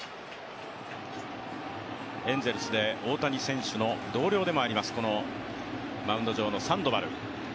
エンゼルスで大谷選手の同僚でもあります、このマウンド上のサンドバル。